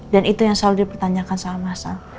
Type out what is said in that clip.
dan itu yang selalu dipertanyakan sama masal